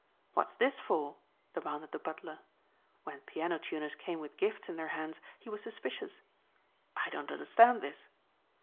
"What's this for?" demanded the butler. When piano tuners came with gifts in their hands he was suspicious. "I don't understand this."